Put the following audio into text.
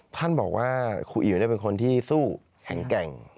ท่านบอกว่าครูอิ๋วเป็นคนที่สู้แข็งแกร่ง